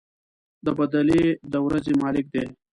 د بَدلې د ورځې مالك دی.